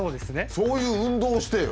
そういう運動をしてよ！